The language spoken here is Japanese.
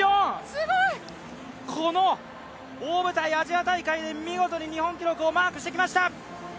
すごい！この大舞台、アジア大会で見事に日本記録をマークしてきました！